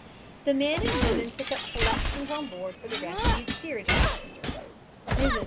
The men and women took up collections on board for the rescued steerage passengers. Mrs.